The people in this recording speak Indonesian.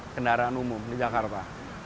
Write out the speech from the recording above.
kendaraan umum di jakarta